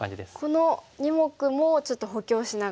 この２目もちょっと補強しながら。